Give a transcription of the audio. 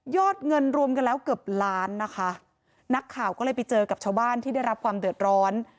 เงินรวมกันแล้วเกือบล้านนะคะนักข่าวก็เลยไปเจอกับชาวบ้านที่ได้รับความเดือดร้อน